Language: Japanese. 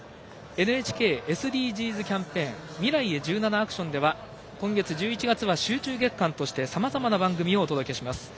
ＮＨＫＳＤＧｓキャンペーン「未来へ１７ａｃｔｉｏｎ」では今月１１月は集中月間としてさまざまな番組をお届けします。